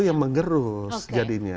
yang mengerus jadinya